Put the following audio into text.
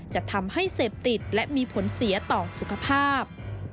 จะทำให้เสพติดและมีผลเสียต่อสุขภาพ